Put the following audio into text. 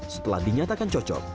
setelah dinyatakan cocok